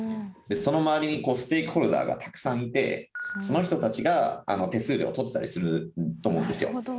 その周りにステークホルダーがたくさんいてその人たちが手数料をとってたりすると思うんですよ。